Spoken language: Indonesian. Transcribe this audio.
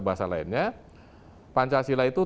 bahasa lainnya pancasila itu